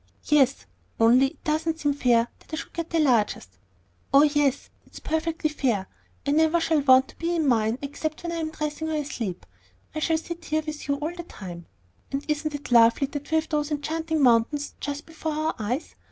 "Yes; only it doesn't seem fair that I should have the largest." "Oh, yes; it is perfectly fair. I never shall want to be in mine except when I am dressing or asleep. I shall sit here with you all the time; and isn't it lovely that we have those enchanting mountains just before our eyes?